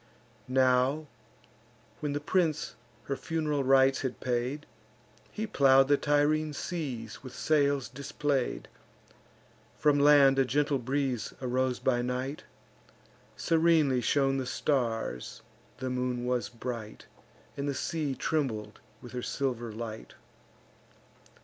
Now, when the prince her fun'ral rites had paid, He plow'd the Tyrrhene seas with sails display'd. From land a gentle breeze arose by night, Serenely shone the stars, the moon was bright, And the sea trembled with her silver light.